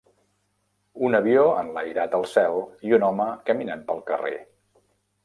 Un avió enlairat al cel i un home caminant pel carrer.